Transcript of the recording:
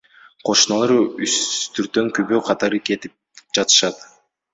Кошуналары үстүртөн күбө катары кетип жатышат.